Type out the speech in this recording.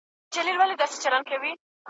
د لیندۍ په شانی غبرگی په گلونو دی پوښلی `